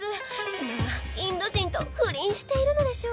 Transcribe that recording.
妻はインド人と不倫しているのでしょうか？